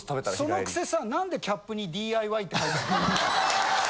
そのくせさなんでキャップにＤＩＹって書いてあんの？